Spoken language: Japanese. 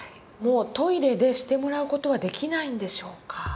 もうトイレでしてもらう事はできないんでしょうか。